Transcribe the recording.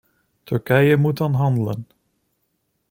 Turkije moet dan handelen.